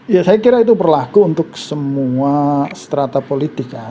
ya saya kira itu berlaku untuk semua strata politika